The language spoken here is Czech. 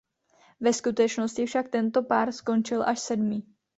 Ve skutečnosti však tento pár skončil až sedmý.